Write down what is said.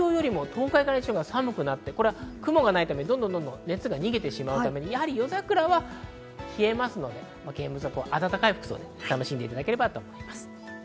ただ午後９時の気温を見ると、東京よりも東海から西日本、寒くなって雲がないためどんどん熱が逃げてしまうため、夜桜は冷えますので見物は暖かい服装で楽しんでいただければと思います。